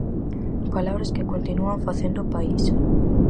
Palabras que continúan facendo país.